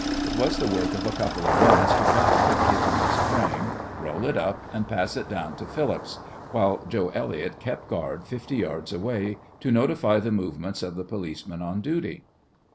It was the work of a couple of minutes to cut the picture from its frame, roll it up, and pass it down to Phillips, while Joe Elliott kept guard fifty yards away to notify the movements of the policeman on duty.